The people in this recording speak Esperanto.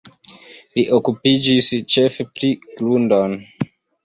Li okupiĝis ĉefe pri grundoj.